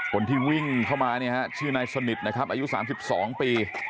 คนที่วิ่งเข้ามาเนี่ยฮะชื่อนายสนิทนะครับอายุ๓๒ปี